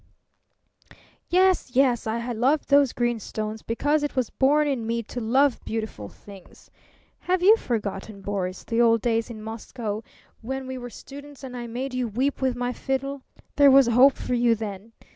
"Yes, yes! I loved those green stones because it was born in me to love beautiful things. Have you forgotten, Boris, the old days in Moscow, when we were students and I made you weep with my fiddle? There was hope for you then.